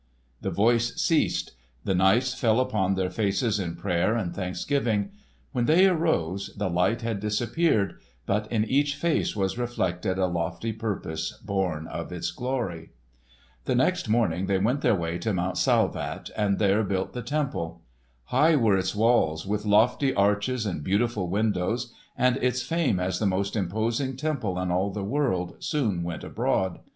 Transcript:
The voice ceased. The knights fell upon their faces in prayer and thanksgiving. When they arose the light had disappeared, but in each face was reflected a lofty purpose born of its glory. The next morning they went their way to Mount Salvat and there built the temple. High were its walls, with lofty arches and beautiful windows, and its fame as the most imposing temple in all the world soon went abroad.